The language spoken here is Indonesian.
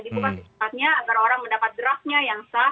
dibuka secepatnya agar orang mendapat draftnya yang sah